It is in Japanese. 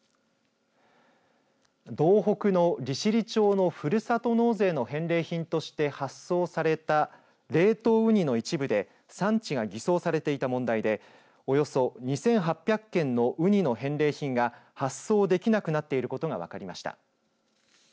道北の利尻町のふるさと納税の返礼品として発送された冷凍ウニの一部で産地が偽装されていた問題でおよそ２８００件のウニの返礼品が発送できなくなっていることが分かりました。